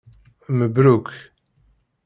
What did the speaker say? Mebruk.